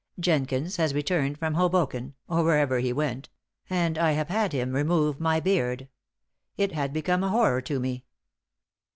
Jenkins has returned from Hoboken or wherever he went and I have had him remove my beard. It had become a horror to me.